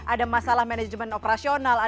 ada masalah manajemen operasional